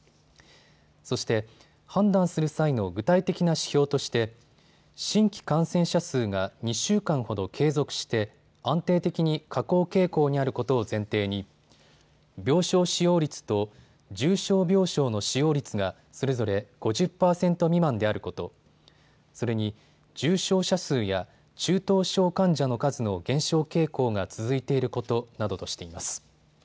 そして、判断する際の具体的な指標として新規感染者数が２週間ほど継続して安定的に下降傾向にあることを前提に病床使用率と重症病床の使用率がそれぞれ５０％未満であること、それに重症者数や中等症患者の数の減少傾向が続いていることなどとしています。